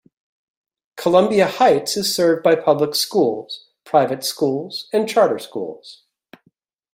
Columbia Heights is served by public schools, private schools, and charter schools.